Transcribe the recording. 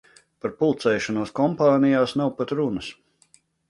Par pulcēšanos kompānijās nav pat runas.